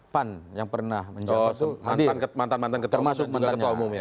termasuk juga ketua umum ya